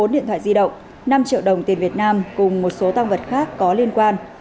một mươi điện thoại di động năm triệu đồng tiền việt nam cùng một số tăng vật khác có liên quan